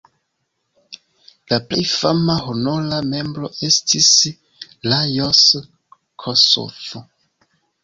La plej fama honora membro estis Lajos Kossuth.